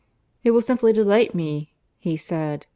"It will simply delight me," he said.